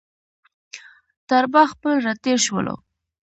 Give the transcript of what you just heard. تر باغ پل راتېر شولو.